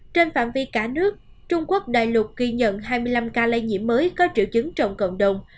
trên phạm vi cả nước trung quốc đại lục ghi nhận hai mươi năm ca lây nhiễm mới có triệu chứng trong cộng đồng